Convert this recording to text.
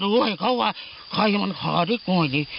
ดูให้เขาว่าใครมันขาดิก่อนหน่อยดิ